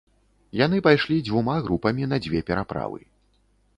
Яны пайшлі дзвюма групамі на дзве пераправы.